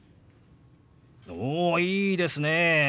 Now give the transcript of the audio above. おいいですね！